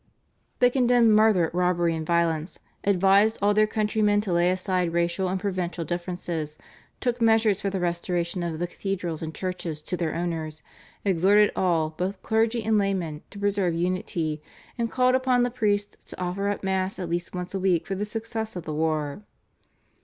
They condemned murder, robbery, and violence, advised all their countrymen to lay aside racial and provincial differences, took measures for the restoration of the cathedrals and churches to their owners, exhorted all, both clergy and laymen, to preserve unity, and called upon the priests to offer up Mass at least once a week for the success of the war.